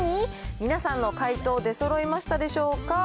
皆さんの回答、出そろいましたでしょうか。